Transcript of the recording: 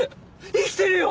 生きてるよ！